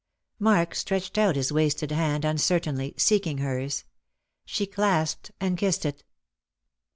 Mark stretched out his wasted hand uncertainly, seeking hers. She clasped and kissed it.